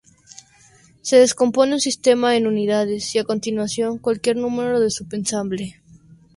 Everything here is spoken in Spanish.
Se descompone un sistema en unidades y, a continuación, cualquier número de sub-ensamblaje.